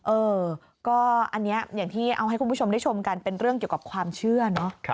เออก็อันนี้อย่างที่เอาให้คุณผู้ชมได้ชมกันเป็นเรื่องเกี่ยวกับความเชื่อเนอะ